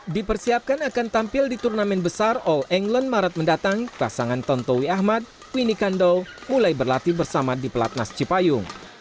dipersiapkan akan tampil di turnamen besar all england maret mendatang pasangan tontowi ahmad winnie kandow mulai berlatih bersama di pelatnas cipayung